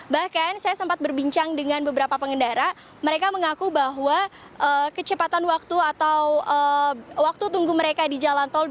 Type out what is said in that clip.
bahkan saya sempat berbincang dengan beberapa pengendara mereka mengaku bahwa kecepatan waktu atau waktu tunggu mereka di jalan tol